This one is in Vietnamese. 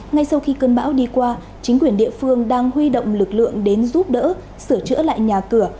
ngay sau khi cơn bão đi qua chính quyền địa phương đang huy động lực lượng đến giúp đỡ sửa chữa lại nhà cửa